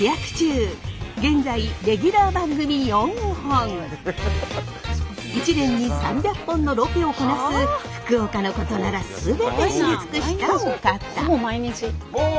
現在１年に３００本のロケをこなす福岡のことなら全て知り尽くしたお方。